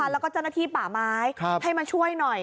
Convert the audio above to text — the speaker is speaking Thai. แล้วก็เจ้าหน้าที่ป่าไม้ให้มาช่วยหน่อย